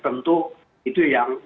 untuk itu yang